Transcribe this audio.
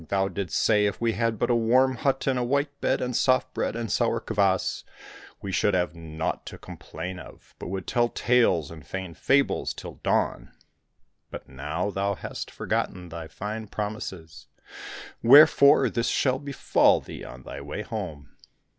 thou didst say, ' If we had but a warm hut, and a white bed, and soft bread, and sour kvas, we should have naught to complain of, but would tell tales and feign fables till dawn '; but now thou hast forgotten thy fine promises ! Wherefore this shall befall thee on thy way home.